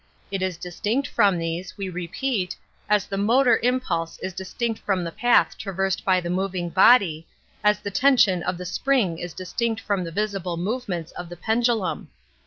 It is distin< from these, we repeat, as the motor im pulse is distinct from the path traversed by the moving body, as the tension of the spring is distinct from the visible move ments of the pendulum.